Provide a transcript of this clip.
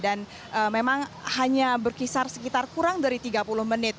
dan memang hanya berkisar sekitar kurang dari tiga puluh menit